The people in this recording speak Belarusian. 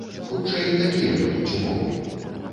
Хутчэй, такія будуць умовы.